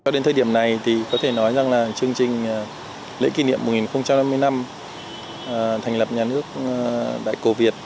đến thời điểm này thì có thể nói rằng là chương trình lễ kỷ niệm một nghìn năm mươi năm thành lập nhà nước đại cổ việt